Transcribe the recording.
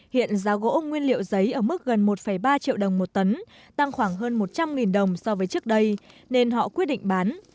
hiện giá gỗ nguyên liệu giấy ở mức gần một ba triệu đồng một tấn tăng khoảng hơn một trăm linh đồng so với trước đây nên họ quyết định bán